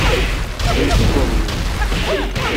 D nekk i yuḍnen.